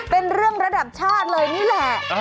เป็นเรื่องระดับชาติเลยนี่แหละ